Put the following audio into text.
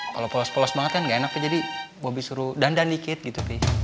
kalau polos polos banget kan gak enak jadi bobi suruh dandan dikit gitu